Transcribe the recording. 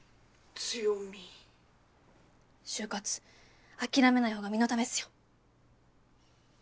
就活諦めない方が身のためっすよ。